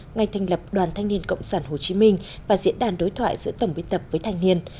ngày thành lập đoàn thanh niên cộng sản hồ chí minh và diễn đàn đối thoại giữa tổng biên tập với thanh niên